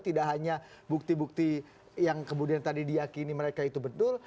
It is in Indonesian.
tidak hanya bukti bukti yang kemudian tadi diakini mereka itu betul